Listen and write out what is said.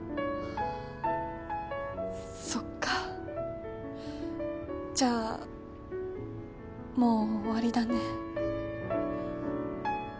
そっかじゃあもう終わりだね